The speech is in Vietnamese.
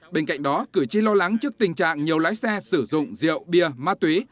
bên cạnh đó cử tri lo lắng trước tình trạng nhiều lái xe sử dụng rượu bia ma túy